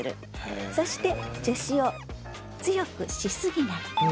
そして助詞を強くしすぎない。